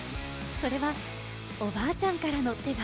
それは、おばあちゃんからの手紙。